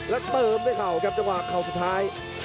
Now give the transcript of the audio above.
แล้วเติมด้วยเข่าครับจังหวะเข่าสุดท้าย